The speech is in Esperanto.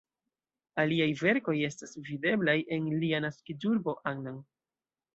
Aliaj verkoj estas videblaj en lia naskiĝurbo Annan.